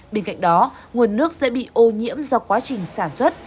bên cạnh đó nguồn nước sẽ bị ô nhiễm do quá trình sản xuất